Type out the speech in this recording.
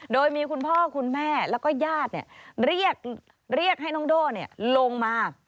โดยมีคุณพ่อคุณแม่แล้วก็ญาติเรียกให้น้องโด่ลงมา